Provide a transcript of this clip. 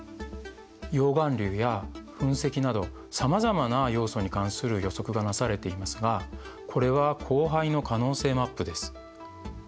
溶岩流や噴石などさまざまな要素に関する予測がなされていますがこれは降灰の可能性マップです。